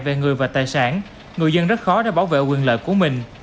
về người và tài sản người dân rất khó để bảo vệ quyền lợi của mình